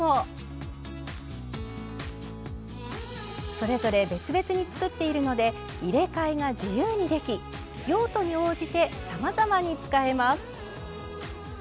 それぞれ別々に作っているので入れ替えが自由にでき用途に応じてさまざまに使えます。